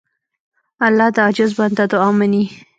الله د عاجز بنده دعا منې.